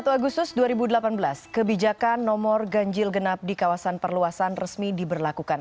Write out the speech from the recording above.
satu agustus dua ribu delapan belas kebijakan nomor ganjil genap di kawasan perluasan resmi diberlakukan